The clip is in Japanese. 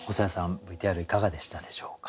ＶＴＲいかがでしたでしょうか？